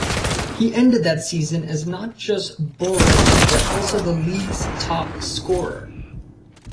He ended that season as not just 'Boro's but also the League's top scorer.